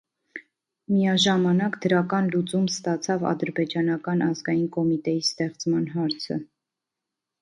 Միաժամանակ, դրական լուծում ստացավ ադրբեջանական ազգային կոմիտեի ստեղծման հարցը։